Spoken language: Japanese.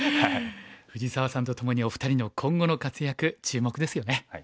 藤沢さんとともにお二人の今後の活躍注目ですよね。